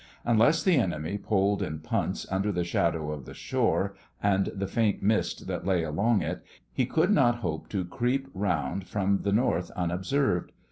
Unless the enemy poled in punts under the shadow of the shore and the faint mist that lay along it, he could not hope to creep round from the North unobserved.